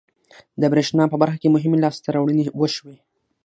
د بریښنا په برخه کې مهمې لاسته راوړنې وشوې.